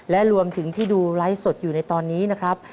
และรวมถึงที่ดูไลฟ์สดอยู่ในตอนนี้นะครับ